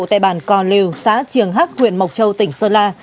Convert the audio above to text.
tại bản còn liều xã trường hắc huyện mộc châu tỉnh sơn la